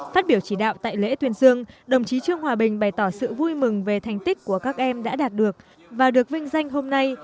phát biểu chỉ đạo tại lễ tuyên dương đồng chí trương hòa bình bày tỏ sự vui mừng về thành tích của các em đã đạt được và được vinh danh hôm nay